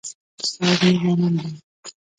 استاد مي ظالم دی.